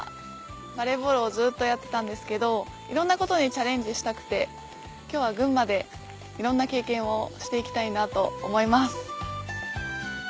バレーボールをずっとやってたんですけどいろんなことにチャレンジしたくて今日は群馬でいろんな経験をして行きたいなと思います。